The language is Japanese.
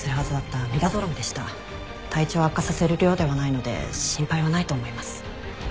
体調を悪化させる量ではないので心配はないと思います。